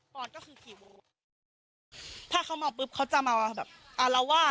ตอนก็คือกี่โมงถ้าเขามาปุ๊บเขาจะมาแบบอารวาส